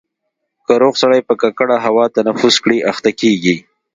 که روغ سړی په ککړه هوا تنفس کړي اخته کېږي.